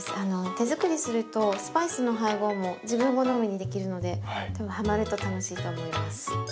手作りするとスパイスの配合も自分好みにできるので多分ハマると楽しいと思います。